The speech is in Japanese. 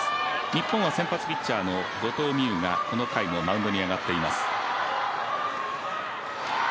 日本は先発ピッチャーの後藤希友がこの回もマウンドに上がっています。